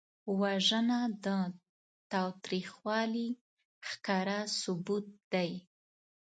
وژنه د تاوتریخوالي ښکاره ثبوت دی